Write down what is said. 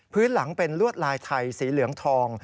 หลังเป็นลวดลายไทยสีเหลืองทอง